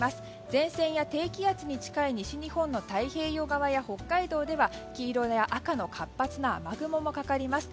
前線や低気圧に近い西日本の太平洋側や北海道では黄色や赤の活発な雨雲もかかります。